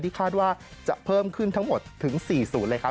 ผู้ติดเชื้อที่คาดว่าจะเพิ่มขึ้นทั้งหมดถึง๔ศูนย์เลยครับ